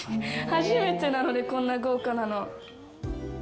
初めてなので、こんな豪華なの。